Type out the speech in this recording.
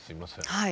はい。